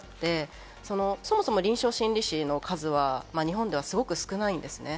一つ問題があって、そもそも臨床心理士の数は、日本ではすごく少ないんですね。